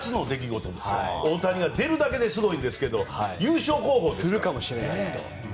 出るだけですごいですけど優勝候補ですから。